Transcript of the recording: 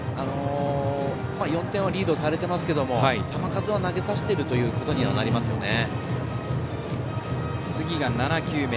４点リードされてますが、球数は投げさせてることになりますよね。